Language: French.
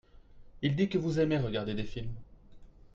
Il dit que vous aimez regardez des films.